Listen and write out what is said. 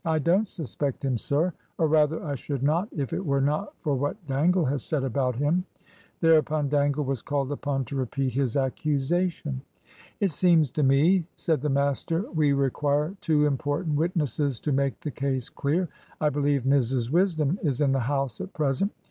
"I don't suspect him, sir; or rather I should not if it were not for what Dangle has said about him." Thereupon Dangle was called upon to repeat his accusation. "It seems to me," said the master, "we require two important witnesses to make the case clear. I believe Mrs Wisdom is in the house at present.